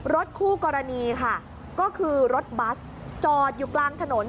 รถคู่กรณีค่ะก็คือรถบัสจอดอยู่กลางถนน